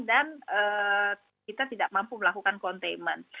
dan kita tidak mampu melakukan containment